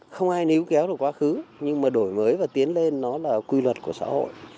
không ai níu kéo được quá khứ nhưng mà đổi mới và tiến lên nó là quy luật của xã hội